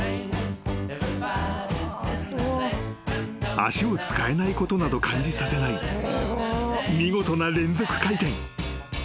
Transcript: ［足を使えないことなど感じさせない見事な連続回転］